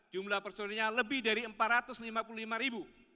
jumlah personilnya lebih dari empat ratus lima puluh lima ribu